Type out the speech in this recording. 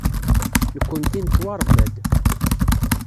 Nekkenti nettwaṛebba-d.